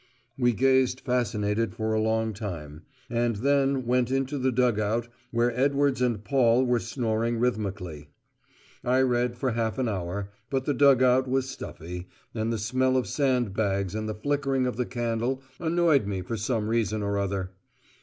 We gazed fascinated for a long time, and then went into the dug out where Edwards and Paul were snoring rhythmically. I read for half an hour, but the dug out was stuffy, and the smell of sand bags and the flickering of the candle annoyed me for some reason or other.